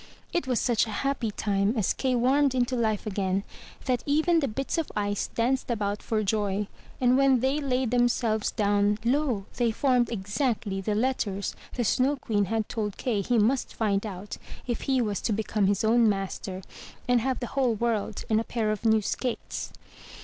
It was such a happy time as Kay warmed into life again, that even the bits of ice danced about for joy, and when they laid themselves down lo! they formed exactly the letters the Snow Queen had told Kay he must find out if he was to become his own master, and have the whole world and a pair of new skates.